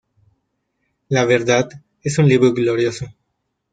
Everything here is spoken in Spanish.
La verdad es un libro glorioso.